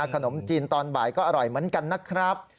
ขนมจีนตอนบ่ายก็อร่อยเหมือนกันนะครับ